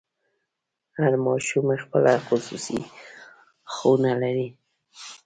هر ماشوم خپله خصوصي خونه لري.